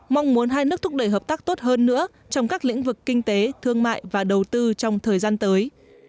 mong muốn hai nước thúc đẩy hợp tác tốt hơn nữa trong các lĩnh vực kinh tế thương mại và đầu tư trong thời gian tới